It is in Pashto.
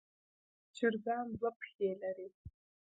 چرګان دوه پښې لري.